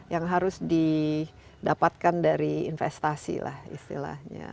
yang harus didapatkan dari investasi lah istilahnya